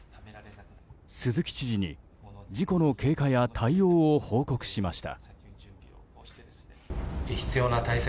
鈴木知事に事故の経過や対応を報告しました。